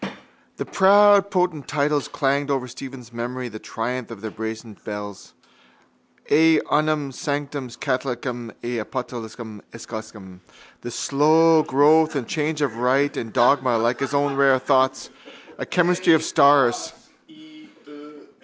The proud potent titles clanged over Stephen's memory the triumph of their brazen bells: et unam sanctam catholicam et apostolicam ecclesiam: the slow growth and change of rite and dogma like his own rare thoughts, a chemistry of stars.